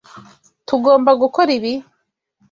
Tugomba gukora ibi?